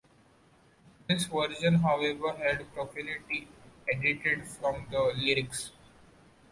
This version, however, had profanity edited from the lyrics.